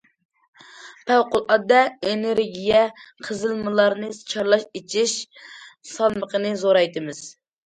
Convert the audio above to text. پەۋقۇلئاددە ئېنېرگىيە، قېزىلمىلارنى چارلاش- ئېچىش سالمىقىنى زورايتىمىز.